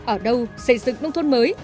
ở đâu xây dựng nông thôn mới